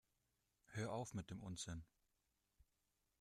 Hör auf mit dem Unsinn!